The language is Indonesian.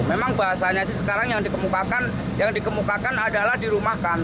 memang bahasanya sih sekarang yang dikemukakan adalah dirumahkan